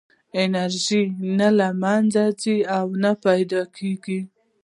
انرژي نه له منځه ځي او نه پیدا کېږي.